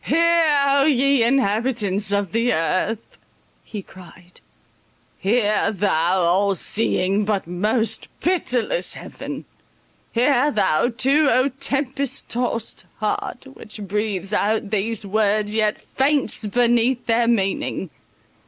"Hear, O ye inhabitants of the earth," he cried, "hear thou, all seeing, but most pitiless Heaven! hear thou too, O tempest tossed heart, which breathes out these words, yet faints beneath their meaning!